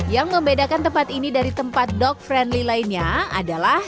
yang membedakan tempat ini dari tempat dog friendly lainnya adalah